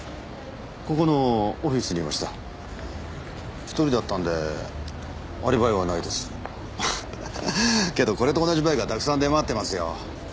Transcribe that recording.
ここのオフィスにいました１人だったんでアリバイはないですけどこれと同じバイクはたくさん出回ってますよ